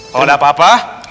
kalau ada apa apa